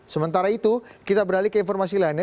sementara itu kita beralih ke informasi lainnya